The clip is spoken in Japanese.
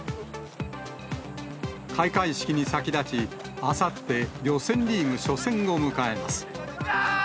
開会式に先立ち、あさって予選リーグ初戦を迎えます。